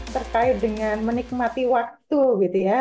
terkait dengan menikmati waktu gitu ya